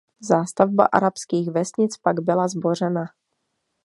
Zástavba arabských vesnic pak byla zbořena.